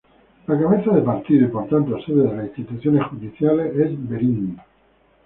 La cabeza de partido y por tanto sede de las instituciones judiciales es Verín.